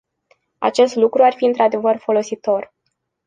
Acest lucru ar fi într-adevăr folositor.